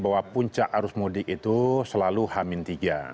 bahwa puncak arus mudik itu selalu hamin tiga